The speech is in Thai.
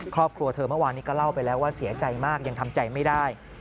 ครอบครัวเธอเมื่อวานนี้ก็เล่าไปแล้วว่าเสียใจมากยังทำใจไม่ได้